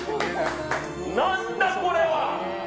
何だ、これは。